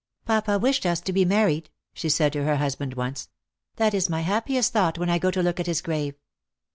" Papa wished us to be married," she said to her husband once; " that is my happiest thought when I go to look at his grave.